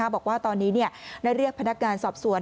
บอกว่าตอนนี้ได้เรียกพนักงานสอบสวน